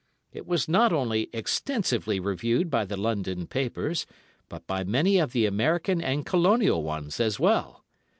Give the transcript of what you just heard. It was not only extensively reviewed by the London papers, but by many of the American and Colonial ones as well.